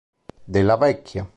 Della Vecchia